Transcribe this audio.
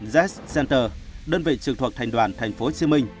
z center đơn vị trực thuộc thành đoàn tp hcm